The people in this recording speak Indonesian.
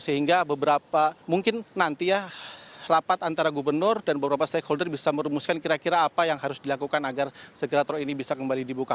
sehingga beberapa mungkin nanti ya rapat antara gubernur dan beberapa stakeholder bisa merumuskan kira kira apa yang harus dilakukan agar segera tol ini bisa kembali dibuka